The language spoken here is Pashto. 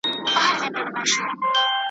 د ځنګله پاچا ته نوې دا ناره وه ,